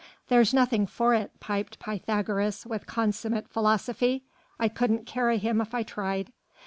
"There's nothing for it," piped Pythagoras with consummate philosophy. "I couldn't carry him if I tried."